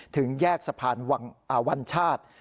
ถึงแยกสะพานวัญชาติ